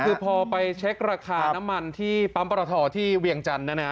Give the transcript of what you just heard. คือพอไปเช็คราคาน้ำมันที่ปั๊มปรทที่เวียงจันทร์นะฮะ